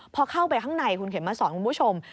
พอเข้าไปข้างในคุณเข็มมาสอนคุณผู้ชม